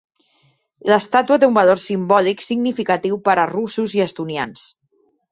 L'estàtua té un valor simbòlic significatiu per a russos i estonians.